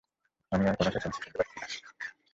আমি আর কোনো চেচামেচি শুনতে পারছি না।